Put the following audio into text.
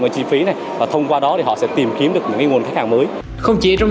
chi phí này và thông qua đó thì họ sẽ tìm kiếm được những nguồn khách hàng mới không chỉ trong